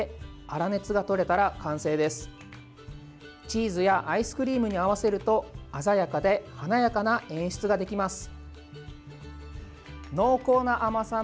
チーズやアイスクリームに合わせると鮮やかで華やかな演出ができます。